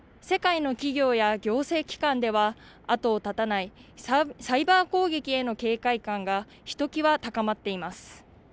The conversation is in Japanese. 世界の企業や行政機関では、後を絶たないサイバー攻撃への警戒感が、ひときわ高まっています。